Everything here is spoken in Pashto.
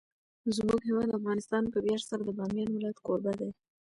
زموږ هیواد افغانستان په ویاړ سره د بامیان ولایت کوربه دی.